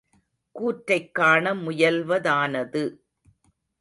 கூற்றைக் காண முயல்வதானது